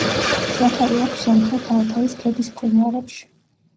სათავე აქვს სამხრეთ ალთაის ქედის მყინვარებში.